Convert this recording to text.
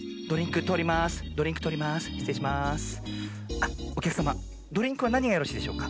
あっおきゃくさまドリンクはなにがよろしいでしょうか？